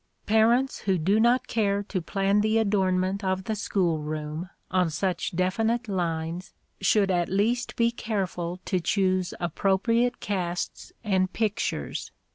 Parents who do not care to plan the adornment of the school room on such definite lines should at least be careful to choose appropriate casts and pictures.